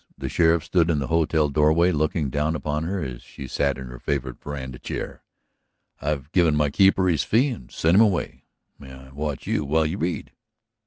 The sheriff stood in the hotel doorway, looking down upon her as she sat in her favorite veranda chair. "I have given my keeper his fee and sent him away. May I watch you while you read?"